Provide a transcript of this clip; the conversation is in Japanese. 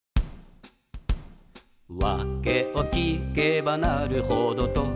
「わけを聞けばなるほどと」